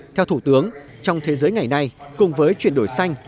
theo thủ tướng trong thế giới ngày nay cùng với chuyển đổi xanh